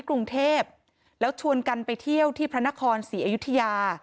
กรุงเทพแล้วชวนกันไปเที่ยวที่พระนครศรีอยุธยา